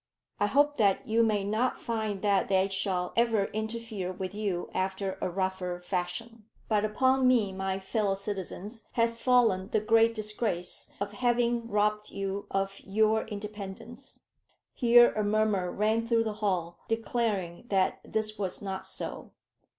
I hope that you may not find that they shall ever interfere with you after a rougher fashion. "But upon me, my fellow citizens, has fallen the great disgrace of having robbed you of your independence." Here a murmur ran through the hall, declaring that this was not so.